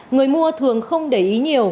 người mua thường không để ý nhiều